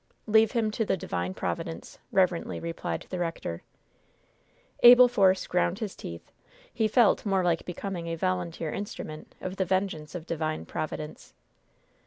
"Leave him to the divine Providence," reverently replied the rector. Abel Force ground his teeth; he felt more like becoming a volunteer instrument of the vengeance of divine Providence.